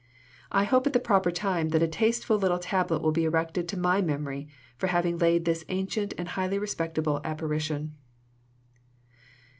I hope at the proper time that a tasteful little tablet will be erected to my memory for having laid this ancient and highly respectable apparition."